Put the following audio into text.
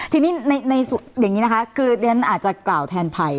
ทีนี้ในอย่างนี้นะคะคือเรียนอาจจะกล่าวแทนภัย